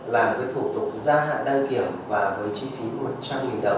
làm cái thủ tục gia hạn đăng kiểm và với chi phí một trăm linh đồng